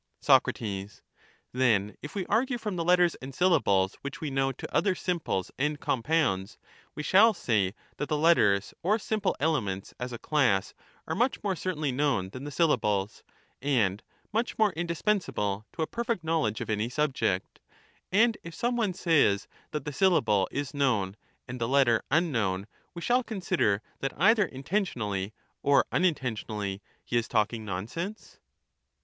Soc, Then, if we argue from the letters and syllables which we know to other simples and compounds, we shall say that the letters or simple elements as a class are much more cer tainly known than the syllables, and much more indispensable to a perfect knowledge of any subject ; and if some one says that the syllable is known and the letter unknown, we shall consider that either intentionally or unintentionally he is talking nonsense